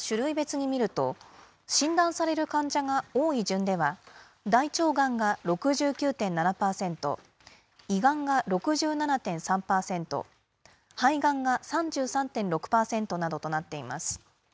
がんの種類別に見ると、診断される患者が多い順では、大腸がんが６９．７％、胃がんが６７．３％、肺がんが３３．６％などとなっています。